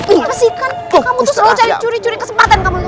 itu sih kan kamu tuh selalu cari curi curi kesempatan kamu